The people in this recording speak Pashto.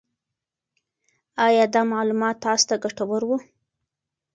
آیا دا معلومات تاسو ته ګټور وو؟